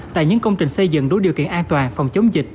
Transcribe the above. tại những công trình xây dựng đủ điều kiện an toàn phòng chống dịch